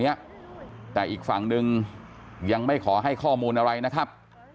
เนี้ยแต่อีกฝั่งหนึ่งยังไม่ขอให้ข้อมูลอะไรนะครับ